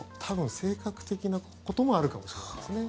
性格的なこともあるかもしれないですね。